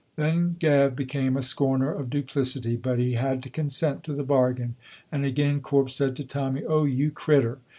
Then Gav became a scorner of duplicity, but he had to consent to the bargain, and again Corp said to Tommy, "Oh, you crittur!"